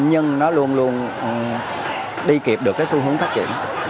nhưng nó luôn luôn đi kịp được cái xu hướng phát triển